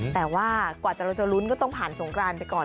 แต่ว่ากว่าเราจะลุ้นก็ต้องผ่านสงกรานไปก่อน